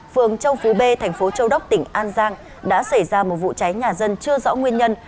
phường châu phú b thành phố châu đốc tỉnh an giang đã xảy ra một vụ cháy nhà dân chưa rõ nguyên nhân